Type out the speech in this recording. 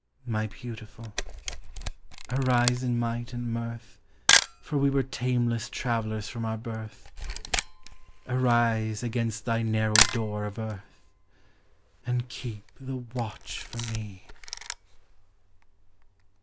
My beautiful ! arise in might and mirth, For we were tameless travellers from our birth; Arise against thy narrow door of earth, And keep the watch for me.